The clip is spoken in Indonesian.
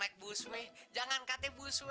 baju kota baju kokoh yang kelihatan bagus olur